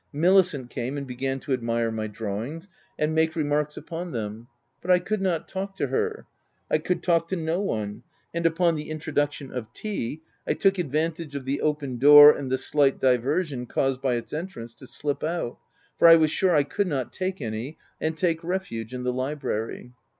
Milicent came and be gan to admire my drawings and make remarks upon them ; but I could not talk to her — I could talk to no one ; and upon the intro duction of tea, I took advantage of the open door and the slight diversion caused by its en trance, to slip out — for I was sure I could not take any — and take refuge in the library.